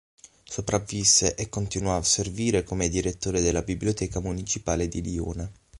Sopravvisse e continuò a servire come direttore della biblioteca municipale di Lione.